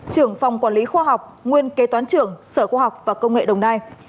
trưởng phòng quản lý khoa học nguyên kế toán trưởng sở khoa học và công nghệ đồng nai